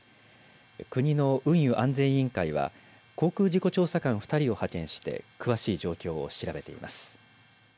国の運輸安全委員会は航空事故調査官２人を派遣して詳しい状況を調べています。